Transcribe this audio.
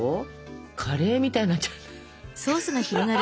カレーみたいになっちゃって。